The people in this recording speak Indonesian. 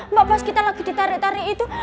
mbak pus kita lagi ditarik tarik itu